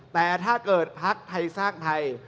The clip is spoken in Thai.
แต่ถ้าเกิดพักไทยสร้างไทย